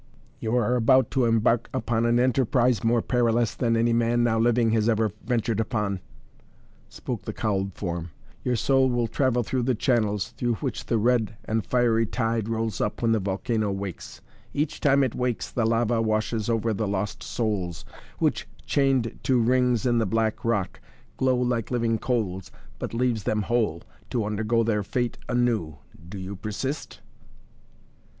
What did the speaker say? "You are about to embark upon an enterprise more perilous than any man now living has ever ventured upon," spoke the cowled form. "Your soul will travel through the channels, through which the red and fiery tide rolls up when the volcano wakes. Each time it wakes the lava washes over the lost souls, which, chained to rings in the black rock, glow like living coals, but leaves them whole, to undergo their fate anew. Do you persist?"